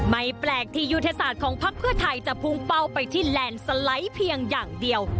ไม่แปลกที่ยุทธศาสตร์ของพักเพื่อไทยจะพุ่งเป้าไปที่แลนด์สไลด์เพียงอย่างเดียว